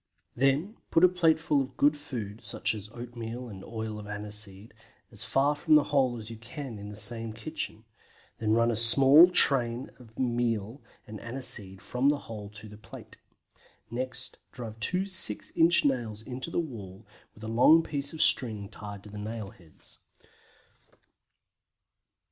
Then put a plateful of good food, such as oatmeal and oil of aniseed, as far from the hole as you can in the same kitchen; then run a small train of meal and aniseed from the hole to the plate. Next drive two six inch nails in the wall, with a long piece of string tied to the nail heads.